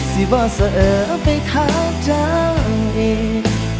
สิว่าสะเออไปทักเจ้าอีก